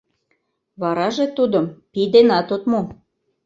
— Вараже тудым пий денат от му!